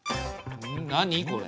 何これ？